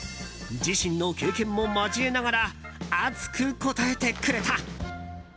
自身の経験も交えながら熱く答えてくれた。